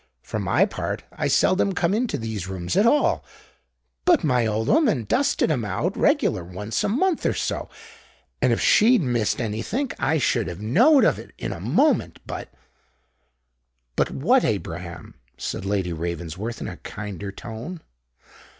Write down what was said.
"For my part, I seldom come into these rooms at all: but my old 'ooman dusted 'em out reglar once a month or so; and if she'd missed anythink I should have knowed of it in a moment. But——" "But what, Abraham?" said Lady Ravensworth, in a kinder tone.